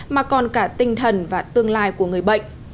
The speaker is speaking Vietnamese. mà còn cả tinh thần và tương lai của người bệnh